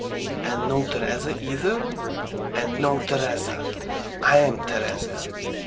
"And no Teresa either?" "And no Teresa. I'm Teresa."